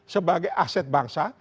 sebagai aset bangsa